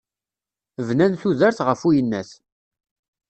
Bnan tudert γef uyennat.